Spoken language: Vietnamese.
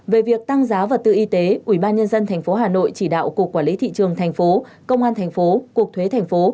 về việc tăng giá vật tư y tế ubnd tp hà nội chỉ đạo cục quản lý thị trường tp công an tp cục thuế tp